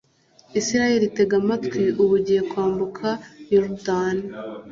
israheli, tega amatwi! ubu ugiye kwambuka yorudani